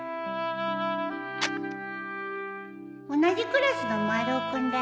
同じクラスの丸尾君だよ。